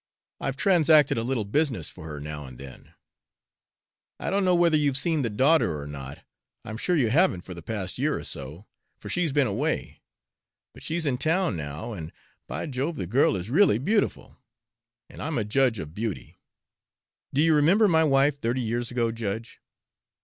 "I've transacted a little business for her now and then." "I don't know whether you've seen the daughter or not I'm sure you haven't for the past year or so, for she's been away. But she's in town now, and, by Jove, the girl is really beautiful. And I'm a judge of beauty. Do you remember my wife thirty years ago, judge?"